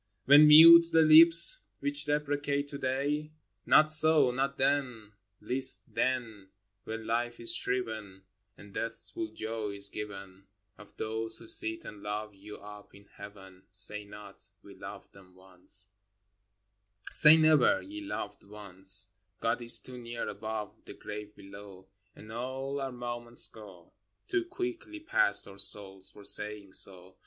When mute the lips which deprecate to day? — Not so ! not then—least then ! When Life is shriven And Death's full joy is given, — Of those who sit and love you up in Heaven, Say not, " We loved them once" Say never, ye loved once / God is too near above, the grave below, And all our moments go Too quickly past our souls, for saying so.